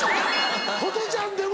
ホトちゃんでも。